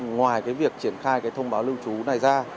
ngoài việc triển khai thông báo lưu trú này ra